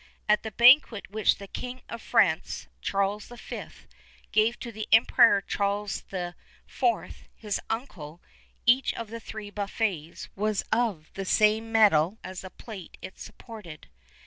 At the banquet which the King of France, Charles V., gave to the Emperor Charles IV., his uncle, each of the three buffets was of the same metal as the plate it supported.